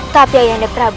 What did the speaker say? tapi ayah hendra prabu